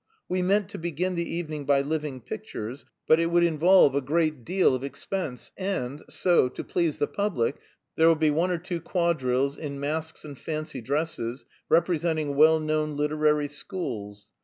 We meant to begin the evening by living pictures, but it would involve a great deal of expense, and so, to please the public, there will be one or two quadrilles in masks and fancy dresses, representing well known literary schools.